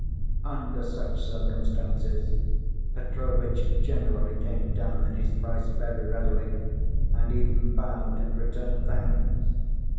Under such circumstances, Petrovitch generally came down in his price very readily, and even bowed and returned thanks.